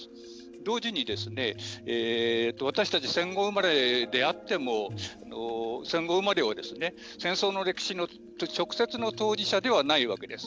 同時に、私たち戦後生まれであっても戦後生まれは戦争の歴史と直接の当事者ではないわけです。